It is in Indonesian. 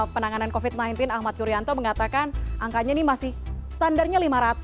penanganan covid sembilan belas ahmad yuryanto mengatakan angkanya ini masih standarnya lima ratus